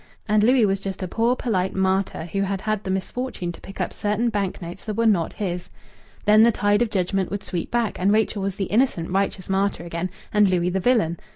And Louis was just a poor, polite martyr who had had the misfortune to pick up certain bank notes that were not his. Then the tide of judgment would sweep back, and Rachel was the innocent, righteous martyr again, and Louis the villain.